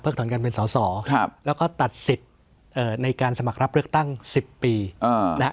ถอนการเป็นสอสอแล้วก็ตัดสิทธิ์ในการสมัครรับเลือกตั้ง๑๐ปีนะฮะ